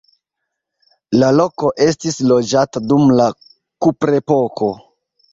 La loko estis loĝata dum la kuprepoko.